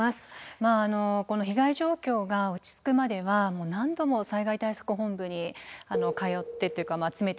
まああのこの被害状況が落ち着くまでは何度も災害対策本部に通ってというか詰めてですね